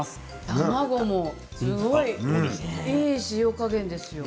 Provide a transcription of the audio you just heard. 卵もすごいいい塩加減ですよね。